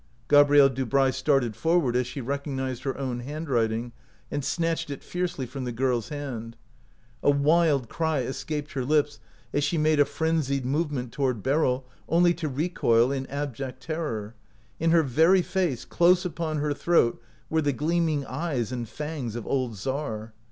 Gabrielle Dubray started forward as she recognized her own handwriting, and snatched it fiercely from the girFs hand. A wild cry escaped her lips as she made a frenzied movement toward Beryl, only to recoil in abject terror. In her very face, close upon her throat, were the gleaming eyes and fangs of old Czar.